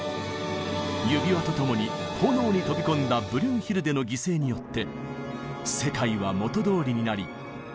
「指環」とともに炎に飛び込んだブリュンヒルデの犠牲によって世界は元どおりになり幕が閉じるのです。